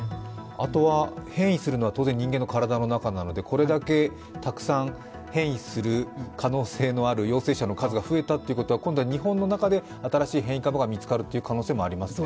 あとは変異するのは当然人間の体の中なのでこれだけたくさん変異する可能性のある陽性者の数が増えたということは、今度は日本の中で新しい変異株が見つかるという可能性もありますね。